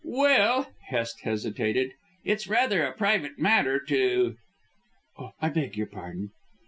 "Well," Hest hesitated, "it's rather a private matter to " "Oh, I beg your pardon."